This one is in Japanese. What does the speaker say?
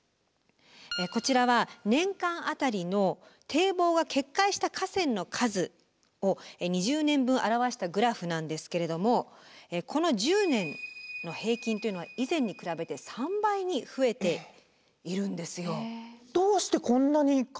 こちらは年間当たりの堤防が決壊した河川の数を２０年分表したグラフなんですけれどもこの１０年の平均というのは以前に比べて３倍に増えているんですよ。